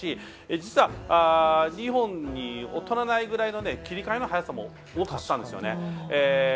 実は、日本に劣らないぐらいの切り替えの早さも持っていたんですよね。